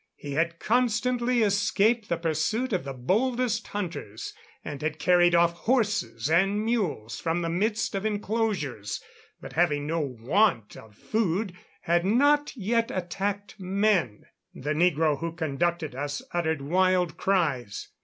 He had constantly escaped the pursuit of the boldest hunters, and had carried off horses and mules from the midst of enclosures; but, having no want of food, had not yet attacked men. The negro who conducted us uttered wild cries.